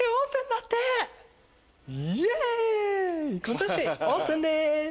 今年オープンです。